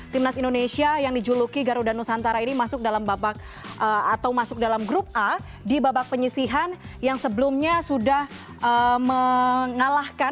timnas indonesia yang dijuluki garuda nusantara ini masuk dalam grup a di babak penyesihan yang sebelumnya sudah mengalahkan